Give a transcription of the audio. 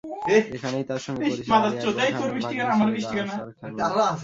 এখানেই তাঁর সঙ্গে পরিচয় আলী আকবর খানের ভাগনি সৈয়দা আসার খানমের।